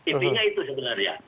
intinya itu sebenarnya